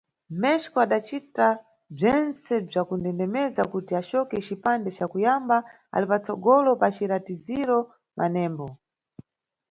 México adacita bzwentse bzwa kundendemeza kuti acoke cipande ca kuyamba ali pa tsogolo pa ciratiziro manembo.